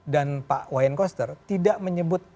dan pak wayan koster tidak menyebut